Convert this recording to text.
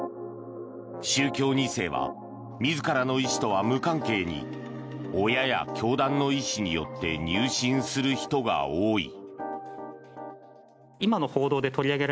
宗教２世は自らの意思とは無関係に親や教団の意思によって入信する人が多い。